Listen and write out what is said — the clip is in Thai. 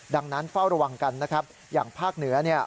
ดังนั้นเฝ้าระวังกันนะครับอย่างภาคเหนือเนี่ย